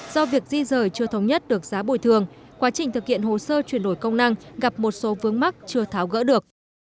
do việc di rời chưa thống nhất được giá bồi thường quá trình thực hiện hồ sơ chuyển đổi công năng gặp một số vướng mắc chưa tháo gỡ được